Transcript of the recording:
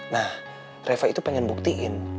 nah reva itu pengen buktiin